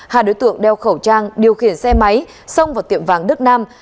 hai đối tượng đeo khẩu trang điều khiển xe máy xông vào tiệm vàng đức nam